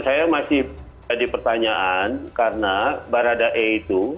saya masih ada pertanyaan karena baradae itu